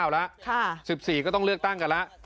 แล้ว๑๔ก็ต้องเลือกตั้งกันแล้ว